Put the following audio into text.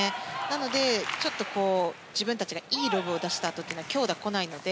なのでちょっと自分たちがいいロブを出したあとは強打が来ないので。